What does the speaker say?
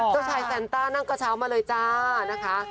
เจ้าชายแซนต้านั่งกระเช้ามาเลยจ้านะคะ